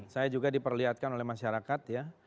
saya juga diperlihatkan oleh masyarakat ya